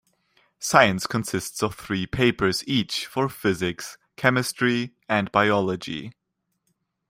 Science consists of three papers each for Physics, Chemistry, and Biology.